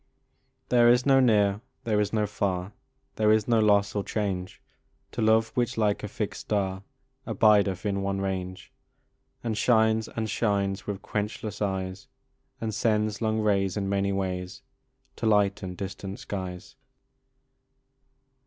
There is no near, there is no far, There is no loss or change, To love which, like a fixed star, Abideth in one range, And shines, and shines, with quenchless eyes, And sends long rays in many ways To lighten distant skies.